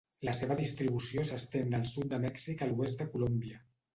La seva distribució s'estén del sud de Mèxic a l'oest de Colòmbia.